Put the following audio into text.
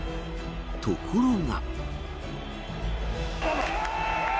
ところが。